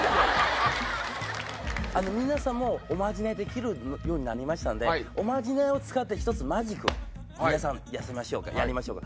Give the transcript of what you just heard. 皆さんもうおまじないできるようになりましたのでおまじないを使って一つマジックを皆さん痩せましょうかやりましょうか。